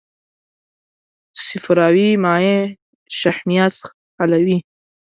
صفراوي مایع شحمیات حلوي.